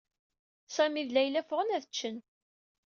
Sami d Layla ffɣen ad d-ččen.